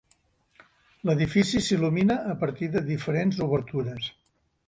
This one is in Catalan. L'edifici s'il·lumina a partir de diferents obertures.